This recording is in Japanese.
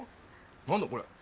何だこれ。